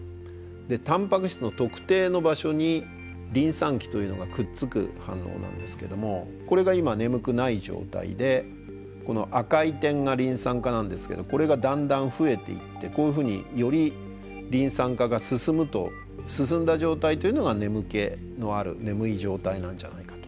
タンパク質の特定の場所にリン酸基というのがくっつく反応なんですけどもこれが今眠くない状態でこの赤い点がリン酸化なんですけどこれがだんだん増えていってこういうふうによりリン酸化が進むと進んだ状態というのが眠気のある眠い状態なんじゃないかと。